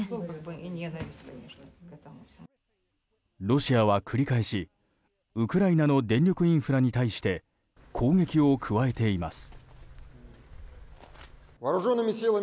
ロシアは繰り返しウクライナの電力インフラに対して攻撃を加えています。